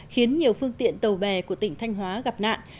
khiến nhiều phương tiện tàu bè của tỉnh thanh hóa gặp nạn